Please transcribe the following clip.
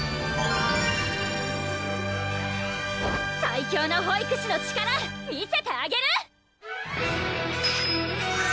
最強の保育士の力見せてあげる！